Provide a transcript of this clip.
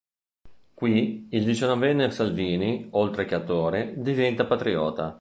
Qui il diciannovenne Salvini, oltre che attore, diventa patriota.